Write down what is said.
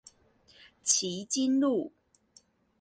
旗津路